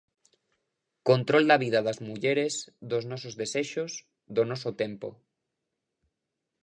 Control da vida das mulleres, dos nosos desexos, do noso tempo.